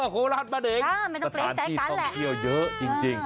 โคลาศบ้านเอง